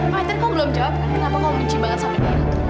pak aytar kamu belum jawab kan kenapa kamu benci banget sama dia